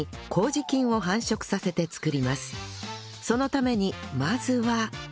そのためにまずは